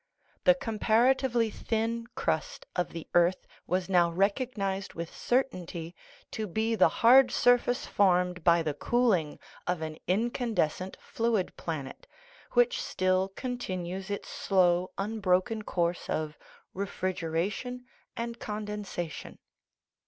The com paratively thin crust of the earth was now recognized with certainty to be the hard surface formed by the cooling of an incandescent fluid planet, which still con tinues its slow, unbroken course of refrigeration and condensation.